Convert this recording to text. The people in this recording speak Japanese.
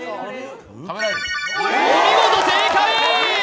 お見事、正解！